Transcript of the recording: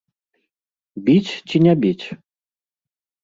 Біць ці не біць?